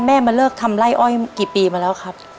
มาเลิกทำไล่อ้อยกี่ปีมาแล้วครับ